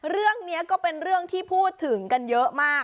เรื่องนี้ก็เป็นเรื่องที่พูดถึงกันเยอะมาก